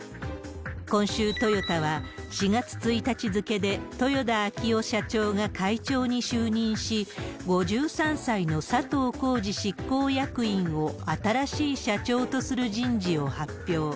今週、トヨタは４月１日付で豊田章男社長が会長に就任し、５３歳の佐藤恒治執行役員を新しい社長とする人事を発表。